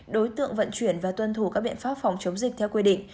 đối tượng vận chuyển và tuân thủ các biện pháp phòng chống dịch theo quy định